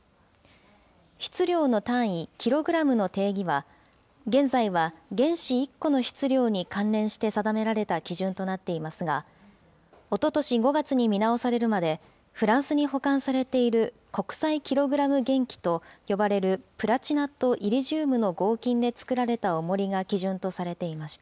質量の単位、キログラムの定義は現在は原子１個の質量に関連して定められた基準となっていますが、おととし５月に見直されるまで、フランスに保管されている国際キログラム原器と呼ばれるプラチナとイリジウムの合金で作られたおもりが基準とされていました。